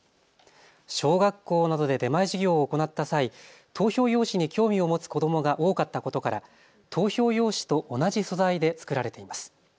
小学校などで出前授業を行った際、投票用紙に興味を持つ子どもが多かったことから投票用紙と同じ素材で作られています。